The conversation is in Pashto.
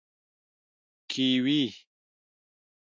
🥝 کیوي